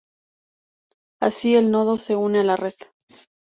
Así, el nodo se une a la red.